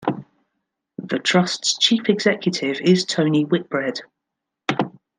The trust's Chief Executive is Tony Whitbread.